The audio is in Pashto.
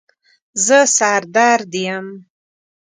زه سر درد یم